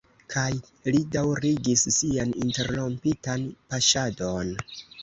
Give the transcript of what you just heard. Kaj li daŭrigis sian interrompitan paŝadon.